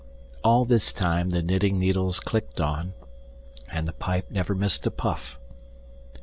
All this time the knitting needles clicked on, and the pipe never missed a puff.